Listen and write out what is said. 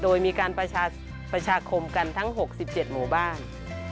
โดยมีการประชาคมกันทั้งหกสิบเจ็ดหมู่บ้าน